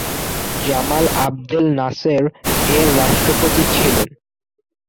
Jamal Abdel Nasser এর রাষ্ট্রপতি ছিলেন।